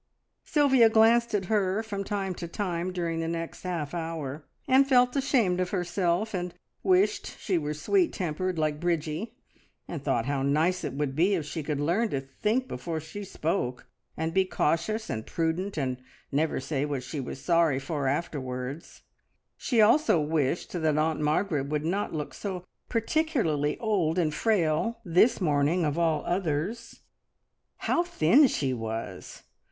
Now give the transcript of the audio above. Sylvia glanced at her from time to time during the next half hour, and felt ashamed of herself, and wished she were sweet tempered like Bridgie, and thought how nice it would be if she could learn to think before she spoke, and be cautious and prudent, and never say what she was sorry for afterwards. She also wished that Aunt Margaret would not look so particularly old and frail this morning of all others. How thin she was!